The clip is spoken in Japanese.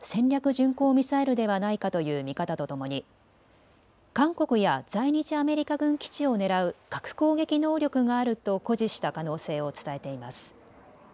巡航ミサイルではないかという見方とともに韓国や在日アメリカ軍基地を狙う核攻撃能力があると誇示した可能性を伝えています。